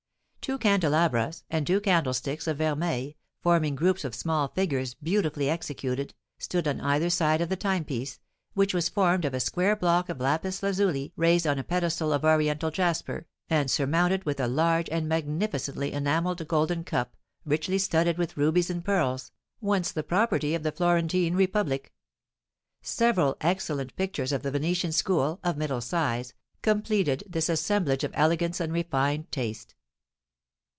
Two candelabras, and two candlesticks of vermeil, forming groups of small figures beautifully executed, stood on either side of the timepiece, which was formed of a square block of lapis lazuli raised on a pedestal of Oriental jasper, and surmounted with a large and magnificently enamelled golden cup, richly studded with rubies and pearls, once the property of the Florentine Republic. Several excellent pictures of the Venetian school, of middle size, completed this assemblage of elegance and refined taste.